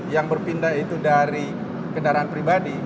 yang berpindah itu dari kendaraan pribadi